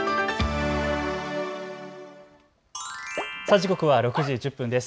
時刻は６時１０分です。